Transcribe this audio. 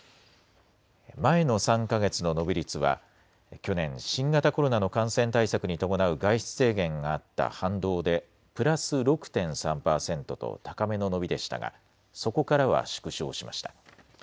前の３か月の伸び率は去年、新型コロナの感染対策に伴う外出制限があった反動でプラス６．３％と高めの伸びでしたがそこからは縮小しました。